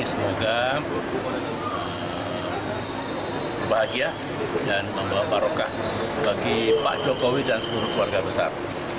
semoga bahagia dan membawa barokah bagi pak jokowi dan seluruh keluarga besar